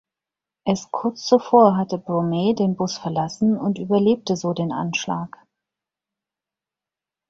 Erst kurz zuvor hat Broome den Bus verlassen und überlebt so den Anschlag.